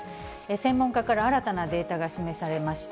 専門家から新たなデータが示されました。